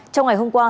trong ngày hôm qua